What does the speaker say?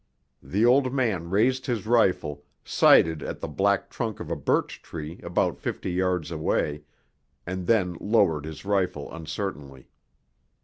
The old man raised his rifle, sighted at the black trunk of a birch tree about fifty yards away and then lowered his rifle uncertainly.